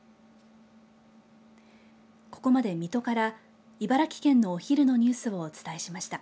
ここまで水戸から茨城県のお昼のニュースをお伝えしました。